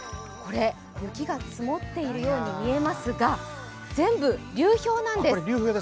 これ、雪が積もっているように見えますが全部流氷なんです。